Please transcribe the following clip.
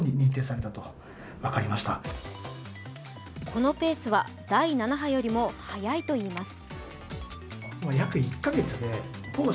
このペースは第７波よりも早いといいます。